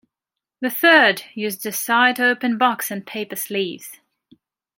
The third used a side-open box and paper sleeves.